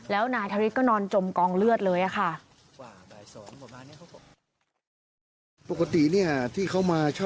แล้วนายธริสก็นอนจมกองเลือดเลยค่ะ